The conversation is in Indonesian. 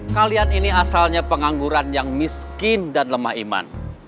kalian ini asalnya pengangguran yang miskin dan lemah iman